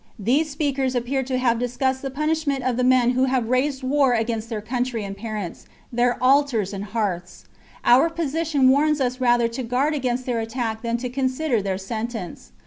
These speakers appear to have discussed the punishment of the men who have raised war against their country and parents, their altars and hearths. Our position warns us rather to guard against their attack than to consider their sentence.